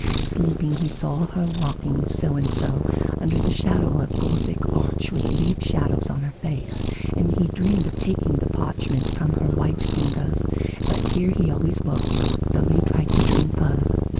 Sleeping, he saw her walking so and so under the shadow of Gothic arch with leaf shadows on her face, and he dreamed of taking the parchment from her white fingers and But here he always woke, though he tried to dream farther.